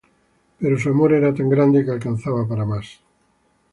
Pero su amor era tan grande que alcanzaba para más.